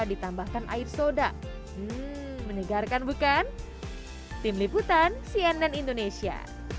ditambahkan air soda menegarkan bukan tim liputan cnn indonesia